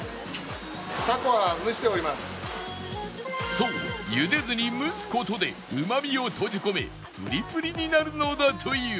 そうゆでずに蒸す事でうまみを閉じ込めプリプリになるのだという